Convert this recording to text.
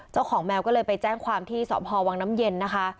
เจ้าของแมวก็เลยไปแจ้งความที่สอบภอว์วังน้ำเย็นนะคะ